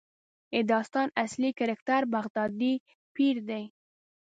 د داستان اصلي کرکټر بغدادي پیر دی.